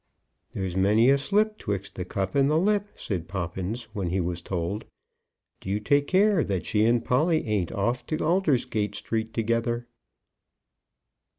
"There's many a slip 'twixt the cup and the lip," said Poppins, when he was told. "Do you take care that she and Polly ain't off to Aldersgate Street together."